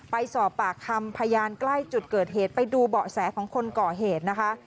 ไปสอบปากคำพยานใกล้จุดเกิดเหตุไปดูเบาะแสของคนก่อเหตุนะคะ